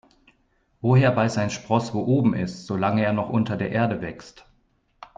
Woher weiß ein Spross, wo oben ist, solange er noch unter der Erde wächst?